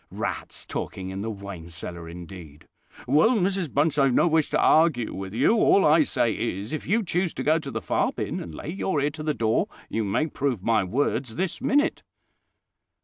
Rats talking in the wine cellar indeed!" "Well, Mrs Bunch, I've no wish to argue with you: all I say is, if you choose to go to the far bin, and lay your ear to the door, you may prove my words this minute."